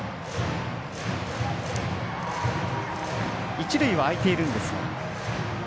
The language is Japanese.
一塁は空いているんですが。